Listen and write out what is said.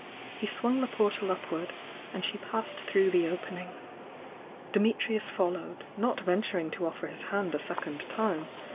He swung tiie portal upward, and she passed through the opening. Dimitrius followed, not venturing to offer his hand a second time.